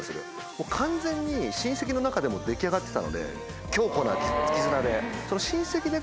もう完全に親戚の中でも出来上がってたので強固な絆で。